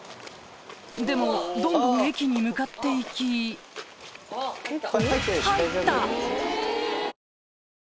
でもどんどん駅に向かって行きペット？